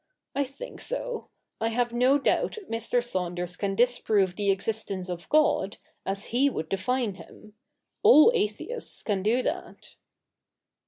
I think so. I have no doubt Mr. Saunders can disprove the existence of God, as he would define Him. All atheists can do that.'